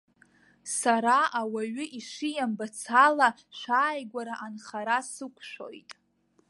Сара ауаҩы ишимбац ала шәааигәара анхара сықәшәоит.